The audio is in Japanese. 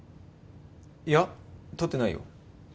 いや取ってないよ